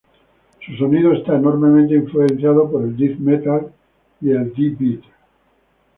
Su sonido está enormemente influenciado por el death metal y el d-beat.